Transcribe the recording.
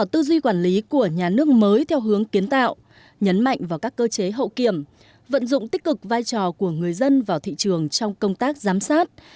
tư duy quản lý của nhà nước mới theo hướng kiến tạo nhấn mạnh vào các cơ chế hậu kiểm vận dụng tích cực vai trò của người dân vào thị trường trong công tác giám sát